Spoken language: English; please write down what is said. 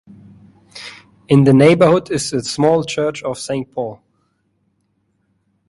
In the neighbourhood is the small church of Saint Paul.